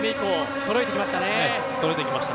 そろえましたね。